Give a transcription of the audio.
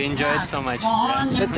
kita sangat menikmati